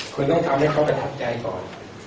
คุณต้องทำให้เขาประทับใจก่อน